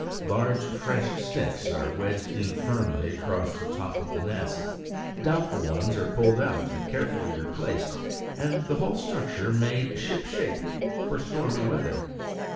Large fresh sticks are wedged in firmly across the top of the nest; doubtful ones are pulled out and carefully replaced, and the whole structure made shipshape for stormy weather.